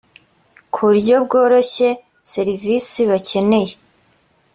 ku buryo bworoshye serivisi bakeneye